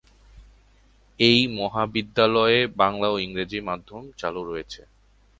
এই বিদ্যালয়ে বাংলা ও ইংরেজি মাধ্যম চালু রয়েছে।